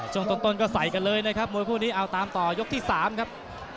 ช่วงต้นก็ใส่กันเลยนะครับมวยคู่นี้เอาตามต่อยกที่๓ครับ